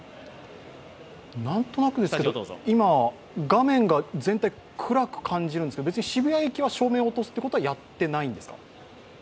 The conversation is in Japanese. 何となくですけれども、今、画面が全体、暗く感じるんですけど、別に渋谷駅は照明を落とすということはやっていないんですか？